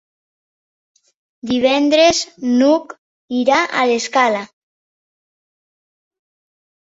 Divendres n'Hug irà a l'Escala.